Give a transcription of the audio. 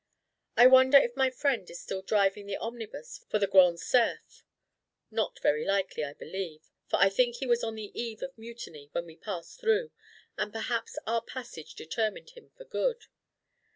I wonder if my friend is still driving the omnibus for the Grand Cerf? Not very likely, I believe; for I think he was on the eve of mutiny when we passed through, and perhaps our passage determined him for good.